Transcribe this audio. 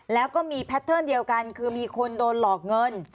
แล้วก็มีแพทเทิร์นเดียวกันคือมีคนโดนหลอกเงิน